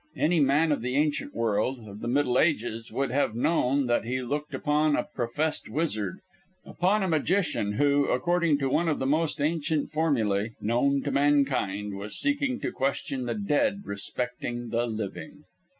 Any man of the ancient world of the middle ages would have known that he looked upon a professed wizard, upon a magician, who, according to one of the most ancient formulæ known to mankind, was seeking to question the dead respecting the living.